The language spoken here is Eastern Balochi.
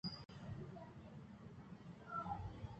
تئی صوت